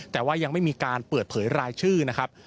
แต่ว่ายังไม่มีการเปิดเผยรายชื่อนะครับ